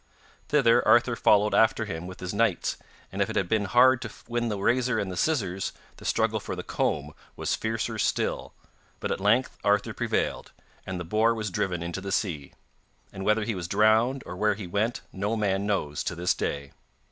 Thither Arthur followed after him with his knights, and if it had been hard to win the razor and the scissors, the struggle for the comb was fiercer still, but at length Arthur prevailed, and the boar was driven into the sea. And whether he was drowned or where he went no man knows to this day.